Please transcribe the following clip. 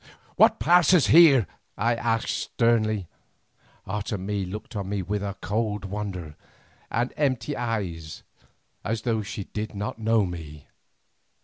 "What passes here?" I asked sternly. Otomie looked on me with a cold wonder, and empty eyes as though she did not know me.